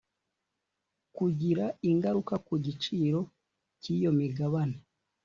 kugira ingaruka ku giciro cy iyo migabane